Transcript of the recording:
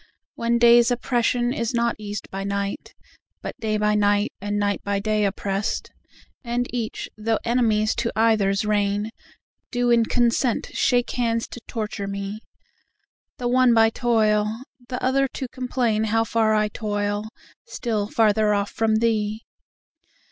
When day's oppression is not eas'd by night, But day by night and night by day oppress'd, And each, though enemies to either's reign, Do in consent shake hands to torture me, The one by toil, the other to complain How far I toil, still farther off from thee.